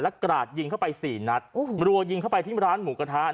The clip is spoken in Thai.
กราดยิงเข้าไปสี่นัดรัวยิงเข้าไปที่ร้านหมูกระทะ